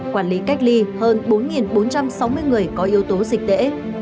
quản lý cách ly hơn bốn bốn trăm sáu mươi người có yếu tố dịch tễ